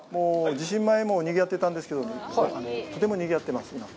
地震前もにぎわっていたんですけども、とてもにぎわっています。